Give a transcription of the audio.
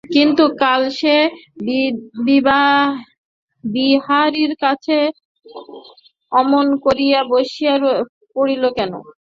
কিন্তু কাল সে বিহারীর কাছে অমন করিয়া আসিয়া পড়িল কেন।